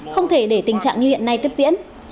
không thể để tình trạng như hiện nay tiếp diễn